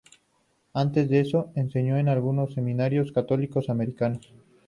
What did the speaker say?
Antes de eso, enseñó en algunos seminarios católicos americanos.